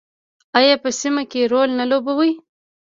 آیا په سیمه کې رول نه لوبوي؟